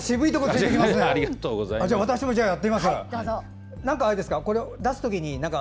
じゃあ、私もやってみます。